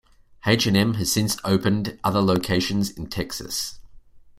H and M has since opened other locations in Texas.